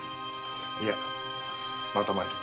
いやまた参る。